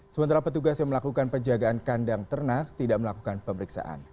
sementara petugas yang melakukan penjagaan kandang ternak tidak melakukan pemeriksaan